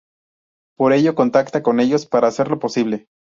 Por ello contacta con ellos para hacerlo posible.